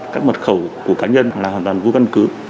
các mật khẩu của cá nhân là hoàn toàn vô căn cứ